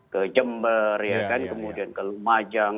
ke jember ya kan kemudian ke lumajang